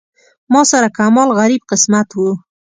ما سره کمال غریب قسمت و.